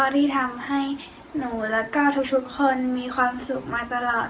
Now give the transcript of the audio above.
ที่ทำให้หนูแล้วก็ทุกคนมีความสุขมาตลอด